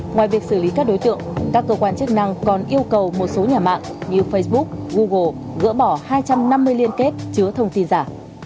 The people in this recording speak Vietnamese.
ngoài việc xử lý các đối tượng các cơ quan chức năng còn yêu cầu một số nhà mạng như facebook google gỡ bỏ hai trăm năm mươi liên kết chứa thông tin giả